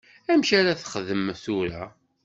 Amek ara texdem tura?